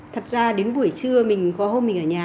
thật ra đến buổi trưa mình có hôm mình ở nhà